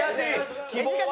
希望は？